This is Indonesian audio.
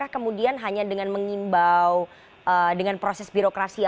yang sudah dilaksanakan yang punya u dragons ini akan teringin di tumpang singa